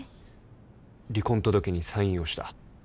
離婚届にサインをした。